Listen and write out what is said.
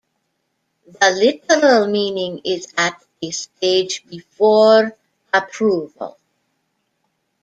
The literal meaning is at a stage before approval.